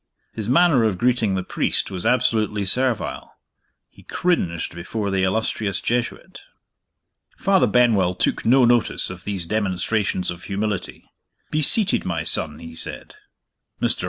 His manner of greeting the priest was absolutely servile. He cringed before the illustrious Jesuit. Father Benwell took no notice of these demonstrations of humility. "Be seated, my son," he said. Mr.